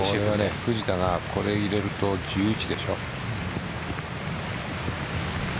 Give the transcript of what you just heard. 藤田がこれ入れると１１でしょ。